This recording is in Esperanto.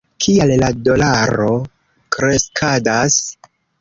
Kial la dolaro kreskadas?